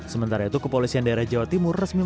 sementara itu kepolisian daerah jawa timur resmi